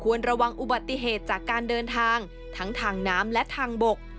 ระวังอุบัติเหตุจากการเดินทางทั้งทางน้ำและทางบก